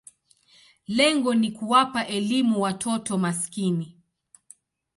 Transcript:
Lengo ni kuwapa elimu watoto maskini.